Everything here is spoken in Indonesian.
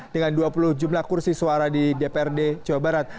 dengan dua puluh jumlah kursi suara di dprd jawa barat